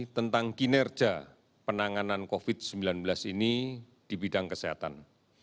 tentang kinerja penanganan covid sembilan belas ini di bidang kesehatan